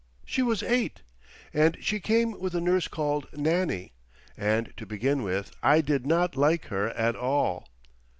She was eight, and she came with a nurse called Nannie; and to begin with, I did not like her at all.